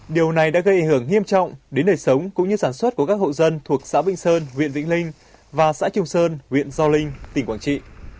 điều này đã gây ảnh hưởng nghiêm trọng đến nơi sống cũng như sản xuất của các hậu dân thuộc xã bình sơn viện vĩnh linh và xã trung sơn viện do linh tỉnh quảng trị